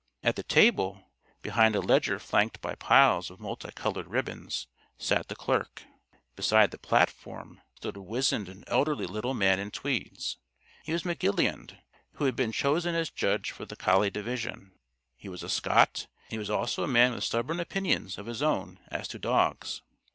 At the table, behind a ledger flanked by piles of multicolored ribbons, sat the clerk. Beside the platform stood a wizened and elderly little man in tweeds. He was McGilead, who had been chosen as judge for the collie division. He was a Scot, and he was also a man with stubborn opinions of his own as to dogs.